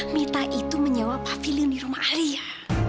mita itu menyewa paviling di rumah alia